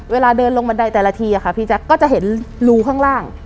เวลาเดินลงบันไดแต่ละทีค่ะพี่แจ๊คก็จะเห็นรูข้างล่าง